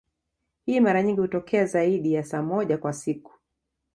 Hii mara nyingi hutokea zaidi ya saa moja kwa siku.